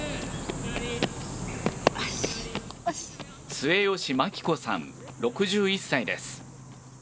末吉真規子さん、６１歳です。